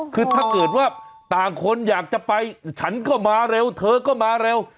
คือถ้าเกิดว่าต่างคนอยากจะไปฉันก็มาเร็วเธอก็มาเร็ว